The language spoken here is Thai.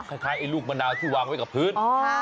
คล้ายไอ้ลูกมะนาวที่วางไว้กับพื้น